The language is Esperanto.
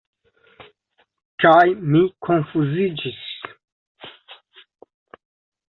Kaj mi konfuziĝis.